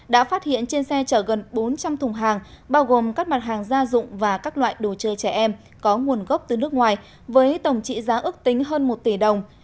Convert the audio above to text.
đã phát hiện trên xe chở gần bốn trăm linh thùng hàng bao gồm các mặt hàng gia dụng và các loại đồ chơi trẻ em có nguồn gốc từ nước ngoài với tổng trị giá ước tính hơn một tỷ đồng